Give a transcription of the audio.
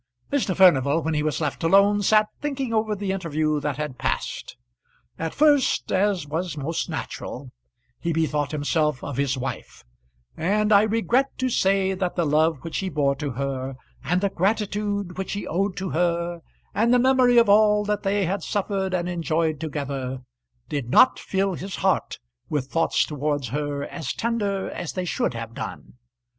Mr. Furnival, when he was left alone, sat thinking over the interview that had passed. At first, as was most natural, he bethought himself of his wife; and I regret to say that the love which he bore to her, and the gratitude which he owed to her, and the memory of all that they had suffered and enjoyed together, did not fill his heart with thoughts towards her as tender as they should have done.